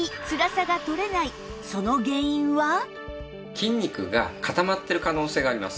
筋肉が固まっている可能性があります。